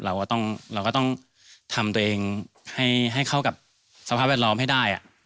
เราก็ต้องทำตัวเองให้เข้ากับสภาพแวดล้อมให้ได้